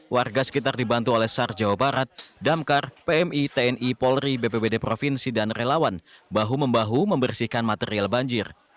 warga sekitar dibantu oleh sar jawa barat damkar pmi tni polri bpbd provinsi dan relawan bahu membahu membersihkan material banjir